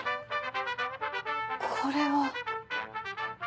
これは。